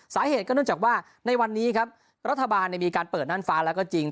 สาเหตุก็เนื่องจากว่าในวันนี้ครับรัฐบาลมีการเปิดน่านฟ้าแล้วก็จริง